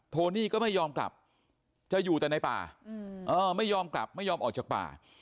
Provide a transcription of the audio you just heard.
โนี่ก็ไม่ยอมกลับจะอยู่แต่ในป่าไม่ยอมกลับไม่ยอมออกจากป่า